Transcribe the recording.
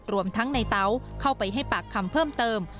รวมทั้งในเตาเข้าไปให้ปากคำเพิ่มเติม